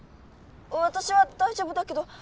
私は大丈夫だけど。